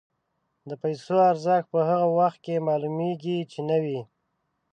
د پیسو ارزښت په هغه وخت کې معلومېږي چې نه وي.